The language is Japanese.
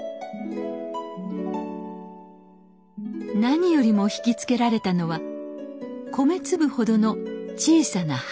何よりも引き付けられたのは米粒ほどの小さな花。